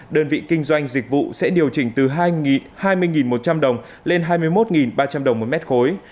đơn vị kinh doanh dịch vụ sẽ điều chỉnh từ hai mươi một trăm linh đồng lên hai mươi một ba trăm linh đồng một mét khối